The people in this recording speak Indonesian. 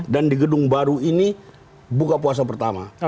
dan di gedung baru ini buka puasa pertama